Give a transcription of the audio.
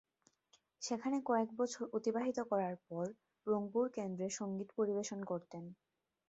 সেখানে কয়েক বছর অতিবাহিত করার পর রংপুর কেন্দ্রে সঙ্গীত পরিবেশন করতেন।